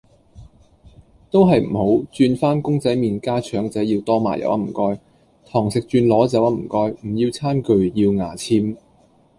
都係唔好，轉返公仔麵加腸仔要多麻油呀唔該，堂食轉攞走呀唔該，唔要餐具要牙籤